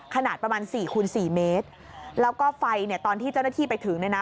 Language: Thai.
ขนาดประมาณสี่คูณสี่เมตรแล้วก็ไฟเนี่ยตอนที่เจ้าหน้าที่ไปถึงเนี่ยนะ